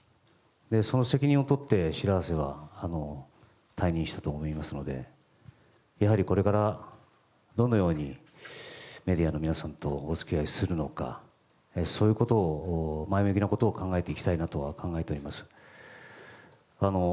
その責任を取って白波瀬は退任したと思いますのでやはり、これからどのようにメディアの皆さんとお付き合いするのかそういうことを前向きなことを考えていきたいなとは考えております。